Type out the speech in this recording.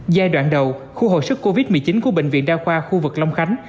giai đoạn đầu khu hồi sức covid một mươi chín của bệnh viện đa khoa khu vực long khánh